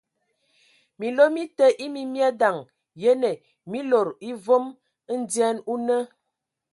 Minlo mi te e mi mi adaŋ yene, mi lodo e vom ndyɛn o nə.